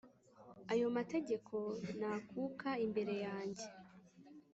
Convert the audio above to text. ‘Ayo mategeko nakuka imbere yanjye